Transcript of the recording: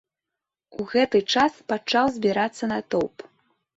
У гэты час пачаў збірацца натоўп.